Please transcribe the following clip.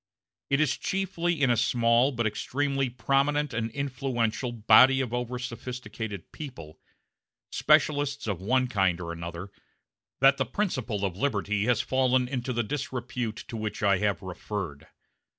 It is chiefly in a small, but extremely prominent and influential, body of over sophisticated people specialists of one kind or another that the principle of liberty has fallen into the disrepute to which I have referred.